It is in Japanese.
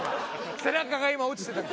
背中が今落ちてた。